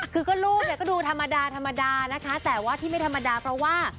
คือก็รูปดูธรรมดานะคะแต่ว่าที่ไม่ธรรมดาเพราะว่า